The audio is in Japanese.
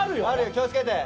気を付けて！